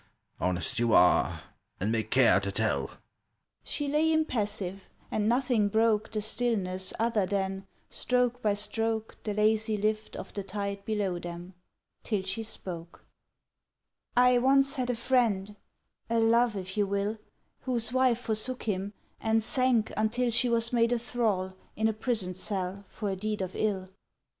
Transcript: Honest you are, and may care to tell." She lay impassive, and nothing broke The stillness other than, stroke by stroke, The lazy lift Of the tide below them; till she spoke: "I once had a friend—a Love, if you will— Whose wife forsook him, and sank until She was made a thrall In a prison cell for a deed of ill